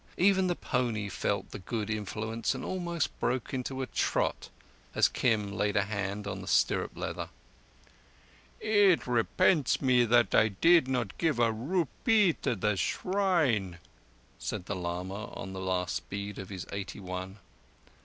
Even the pony felt the good influence and almost broke into a trot as Kim laid a hand on the stirrup leather. "It repents me that I did not give a rupee to the shrine," said the lama on the last bead of his eighty one.